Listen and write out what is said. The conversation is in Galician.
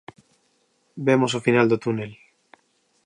Vemos o final do túnel.